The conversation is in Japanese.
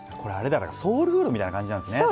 ソウルフードみたいな感じなんですね。